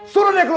suruh dia keluar